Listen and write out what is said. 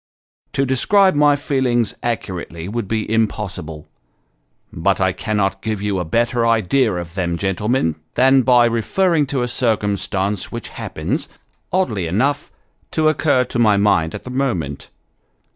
To describe my feelings accurately, would be impossible ; but I cannot give you a better idea of them, gentlemen, than by referring to a circumstance which happens, oddly enough, to occur to my mind at the moment.